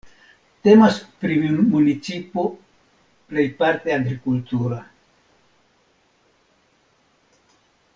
Temas pri municipo pejparte agrikultura.